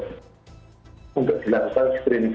untuk dilaksanakan screening